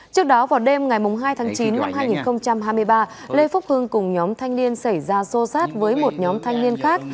trước đó vào đêm ngày hai tháng chín năm hai nghìn hai mươi ba lê phúc hưng cùng nhóm thanh niên xảy ra xô sát với một nhóm thanh niên khác